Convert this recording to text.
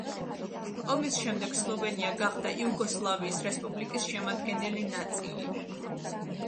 ომის შემდეგ სლოვენია გახდა იუგოსლავიის რესპუბლიკის შემადგენელი ნაწილი.